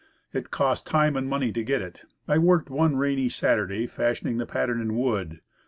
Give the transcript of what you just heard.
It cost time and money to get it. I worked one rainy Sunday fashioning the pattern in wood.